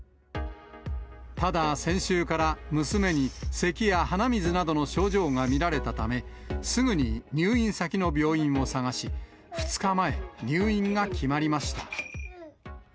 ただ先週から娘に、せきや鼻水などの症状が見られたため、すぐに入院先の病院を探し、２日前、入院が決まりました。